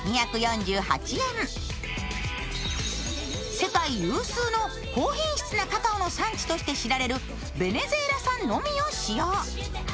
世界有数の高品質なカカオの産地として知られるベネズエラ産のみを使用。